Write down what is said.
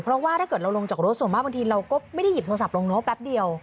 เพราะว่าถ้าเกิดเราลงจากรถส่วนมากบางทีเราก็ไม่ได้หยิบโทรศัพท์ลงเนอะแป๊บเดียว